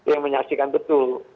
yang menyaksikan betul